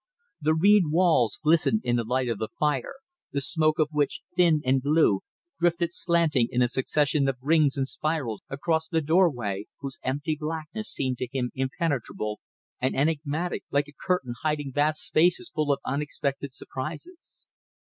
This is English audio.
The reed walls glistened in the light of the fire, the smoke of which, thin and blue, drifted slanting in a succession of rings and spirals across the doorway, whose empty blackness seemed to him impenetrable and enigmatical like a curtain hiding vast spaces full of unexpected surprises.